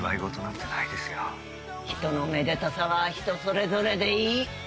人のめでたさは人それぞれでいい。